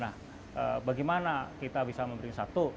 nah bagaimana kita bisa memberi satu